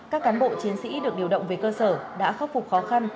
các cán bộ chiến sĩ được điều động về cơ sở đã khắc phục khó khăn